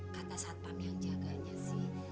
kata satpam yang jaganya sih